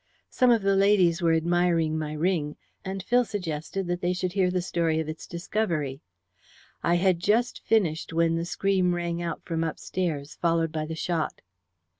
"Some of the ladies were admiring my ring, and Phil suggested that they should hear the story of its discovery. I had just finished when the scream rang out from upstairs, followed by the shot."